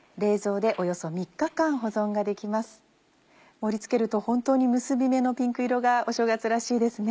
盛り付けると本当に結び目のピンク色がお正月らしいですね。